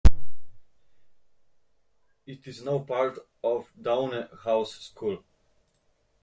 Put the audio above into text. It is now part of Downe House School.